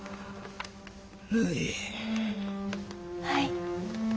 はい。